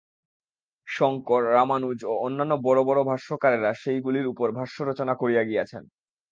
শঙ্কর, রামানুজ ও অন্যান্য বড় বড় ভাষ্যকারেরা সেইগুলির উপর ভাষ্য রচনা করিয়া গিয়াছেন।